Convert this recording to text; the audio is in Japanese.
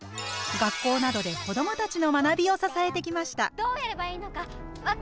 学校などで子どもたちの学びを支えてきました。